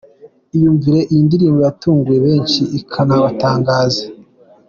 Iyumvire iyo ndirimbo yatunguye benshi ikanabatangaza .